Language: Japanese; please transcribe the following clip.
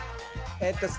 えっと